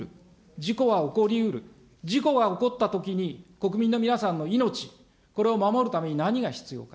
事故は起こりうる、事故が起こったときに、国民の皆さんの命、これを守るために何が必要か。